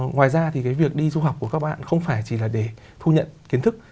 ngoài ra thì cái việc đi du học của các bạn không phải chỉ là để thu nhận kiến thức